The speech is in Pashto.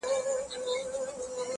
خو اوس دي گراني دا درسونه سخت كړل’